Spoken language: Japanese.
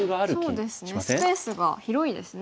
スペースが広いですね。